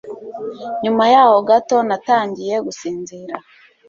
Nyuma yaho gato natangiye gusinzira